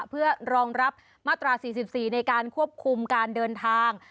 เพื่อรองรับมาตรา๔๔ในการควบคุมการเดินทาง